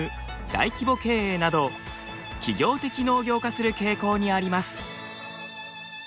大規模経営など企業的農業化する傾向にあります。